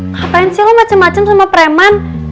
ngapain sih lo macem macem sama preman